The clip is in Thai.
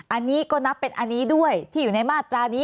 อันนี้ก็นับเป็นอันนี้ด้วยที่อยู่ในมาตรานี้